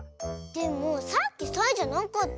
でもさっきサイじゃなかったよ。